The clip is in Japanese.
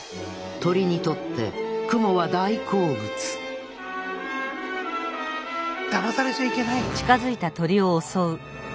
鳥にとってクモは大好物だまされちゃいけない！